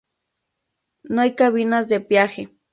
No hay cabinas de peaje.